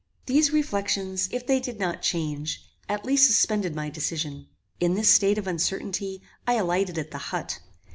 These reflections, if they did not change, at least suspended my decision. In this state of uncertainty I alighted at the HUT.